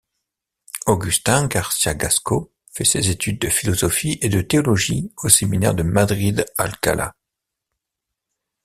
Agustín García-Gasco fait ses études de philosophie et de théologie au séminaire de Madrid-Alcalà.